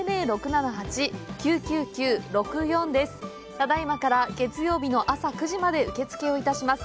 ただいまから月曜日の朝９時まで受付をいたします。